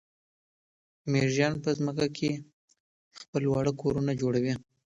مېږیان په ځمکه کې خپل واړه کورونه جوړوي.